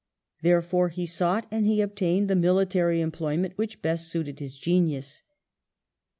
Therefore he sought and he obtained the military employment which best suited his genius.